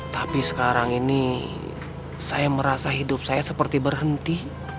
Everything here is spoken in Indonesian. tapi sekarang ini saya merasa hidup saya seperti berhenti